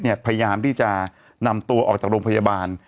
พยายามที่จะนำตัวออกจากโรงพยาบาล